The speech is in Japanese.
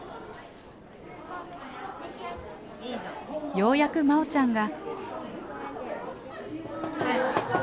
ようやくまおちゃんが。